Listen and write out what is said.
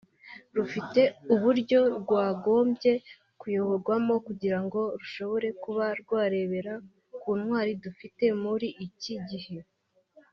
rufite uburyo rwagombye kuyoborwamo kugira ngo rushobore kuba rwarebera ku ntwari dufite muri iki gihe